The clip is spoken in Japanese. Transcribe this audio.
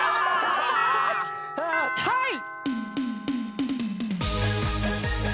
はい！